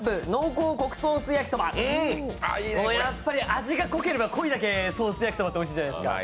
味が濃ければ濃いだけソース焼きそばっておいしいじゃないですか。